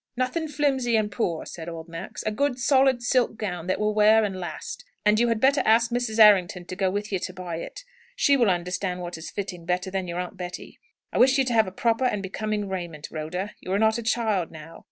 Nothing flimsy and poor," said old Max. "A good, solid silk gown, that will wear and last. And you had better ask Mrs. Errington to go with you to buy it. She will understand what is fitting better than your aunt Betty. I wish you to have proper and becoming raiment, Rhoda. You are not a child now.